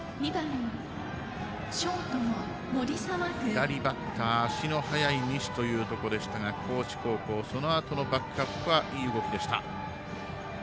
左バッター足の速い西というところでしたが高知高校、そのあとのバックアップはいい動きでした。